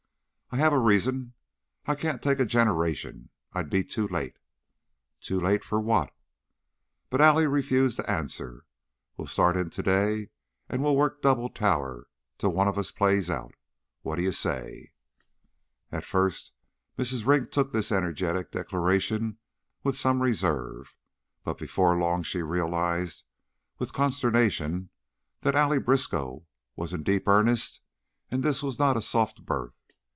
"I have a reason. I can't take a generation; I'd be too late." "Too late for what?" But Allie refused to answer. "We'll start in to day and we'll work double tower till one of us plays out. What d'you say?" At first Mrs. Ring took this energetic declaration with some reserve, but before long she realized with consternation that Allie Briskow was in deep earnest and that this was not a soft berth.